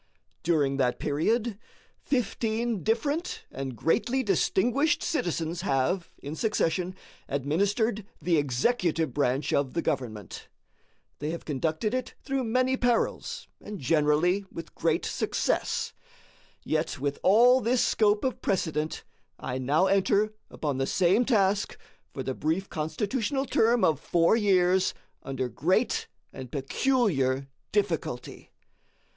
During that period fifteen different and greatly distinguished citizens have, in succession, administered the executive branch of the government. They have conducted it through many perils, and generally with great success. Yet, with all this scope of precedent, I now enter upon the same task for the brief Constitutional term of four years under great and peculiar difficulty.